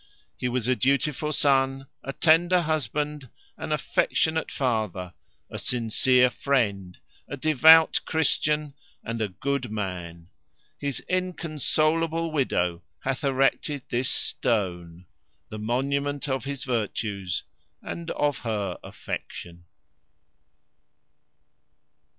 HE WAS A DUTIFUL SON, A TENDER HUSBAND, AN AFFECTIONATE FATHER, A MOST KIND BROTHER, A SINCERE FRIEND, A DEVOUT CHRISTIAN, AND A GOOD MAN. HIS INCONSOLABLE WIDOW HATH ERECTED THIS STONE, THE MONUMENT OF HIS VIRTUES AND OF HER AFFECTION.